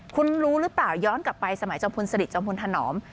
คุณรู้หรือเปล่าย้อนกลับไปสมัยจอมพลสลิดจอมพลธนอม